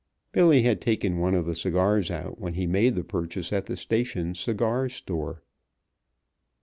Billy had taken one of the cigars out when he made the purchase at the station cigar store.